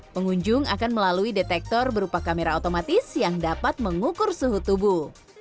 pengunjung akan melalui detektor berupa kamera otomatis yang dapat mengukur suhu tubuh